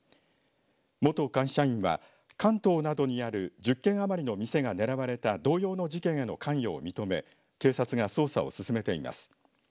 元会社員は関東などにある１０軒余りの店が狙われた同様の事件への関与を認め警察が捜査を進めています。